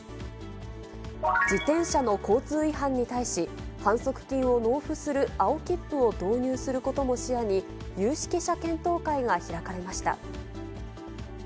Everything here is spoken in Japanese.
自転車の交通違反に対し、反則金を納付する青切符を導入することも視野に、有識者検討会が開かれました。